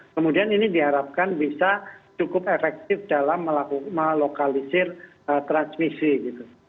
kemudian ini diharapkan bisa cukup efektif dalam melokalisir transmisi gitu